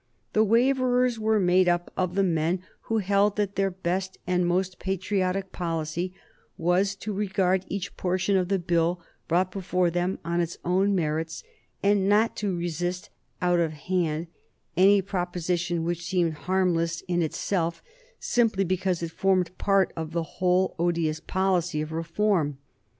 The Waverers were made up of the men who held that their best and most patriotic policy was to regard each portion of the Bill brought before them on its own merits, and not to resist out of hand any proposition which seemed harmless in itself simply because it formed part of the whole odious policy of reform.